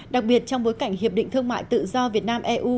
đặc biệt trong bối cảnh hiệp định thương mại tự do việt nam eu